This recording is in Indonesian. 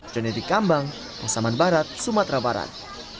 jodhidri kambang pesaman barat sumatera barat